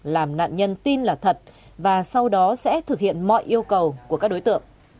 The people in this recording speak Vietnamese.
làm nạn nhân tin là thật và sau đó sẽ thực hiện mọi yêu cầu của các đối tượng